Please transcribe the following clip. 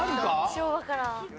昭和から。